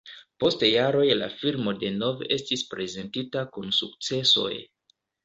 Post jaroj la filmo denove estis prezentita kun sukcesoj.